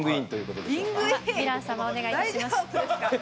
では、ヴィラン様お願いいたします。